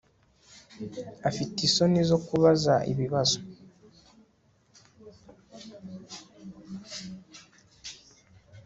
Afite isoni zo kubaza ibibazo